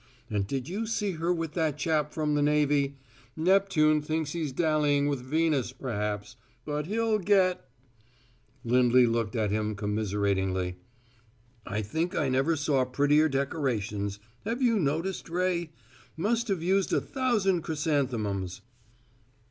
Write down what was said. And did you see her with that chap from the navy? Neptune thinks he's dallying with Venus perhaps, but he'll get " Lindley looked at him commiseratingly. "I think I never saw prettier decorations. Have you noticed, Ray? Must have used a thousand chrysanthemums."